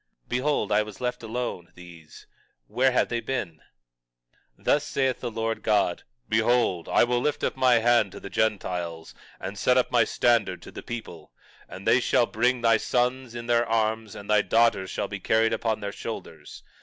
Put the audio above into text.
Behold, I was left alone; these, where have they been? 21:22 Thus saith the Lord God: Behold, I will lift up mine hand to the Gentiles, and set up my standard to the people; and they shall bring thy sons in their arms, and thy daughters shall be carried upon their shoulders.